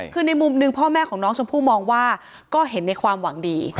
คือในมุมหนึ่งพ่อแม่ของน้องชมพู่มองว่าก็เห็นในความหวังดี